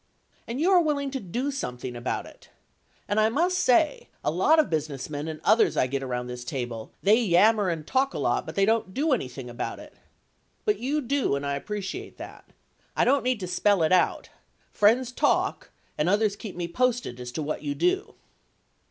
And you are willing to do some thing about it. And I must say a lot of businessmen and others I get around this table, they yammer and talk a lot but they don't do anything about it. But you do and I appreciate that. I don't need to spell it out. Friends talk [?], and others keep me posted as to what you do.